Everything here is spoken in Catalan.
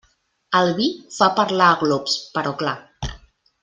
El vi fa parlar a glops, però clar.